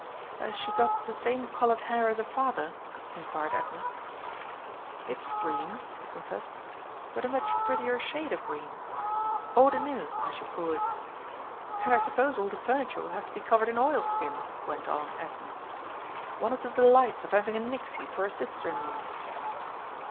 "Has she got the same coloured hair as her father?" inquired Edna. "It's green," he confessed, "but a much prettier shade of green Eau de nil, I should call it." "And I suppose all the furniture will have to be covered in oilskin?" went on Edna. "One of the delights of having a Nixie for a sister in law."